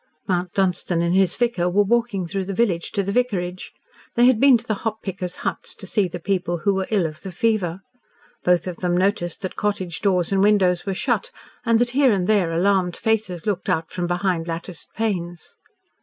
Mount Dunstan and his vicar were walking through the village to the vicarage. They had been to the hop pickers' huts to see the people who were ill of the fever. Both of them noticed that cottage doors and windows were shut, and that here and there alarmed faces looked out from behind latticed panes.